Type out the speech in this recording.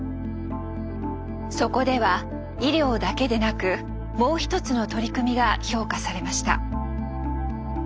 そこでは医療だけでなくもう一つの取り組みが評価されました。